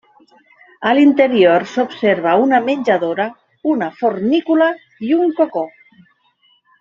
A l'interior s'observa una menjadora, una fornícula i un cocó.